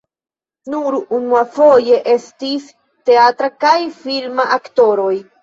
Nur unuafoje estis teatra kaj filma aktoroj.